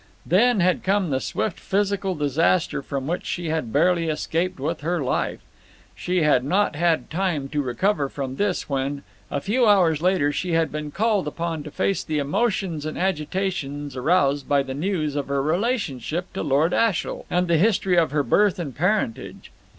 Then had come the swift physical disaster from which she had barely escaped with her life. She had not had time to recover from this when, a few hours later, she had been called upon to face the emotions and agitations aroused by the news of her relationship to Lord Ashiel, and the history of her birth and parentage.